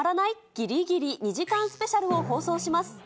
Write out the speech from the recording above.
ギリギリ２時間スペシャルを放送します。